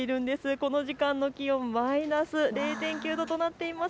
この時間の気温マイナス０．９度となっています。